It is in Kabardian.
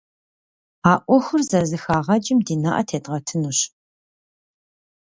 А Ӏуэхухэр зэрызэхагъэкӀым ди нэӀэ тедгъэтынущ.